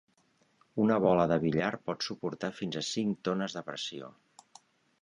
Una bola de billar pot suportar fins a cinc tones de pressió.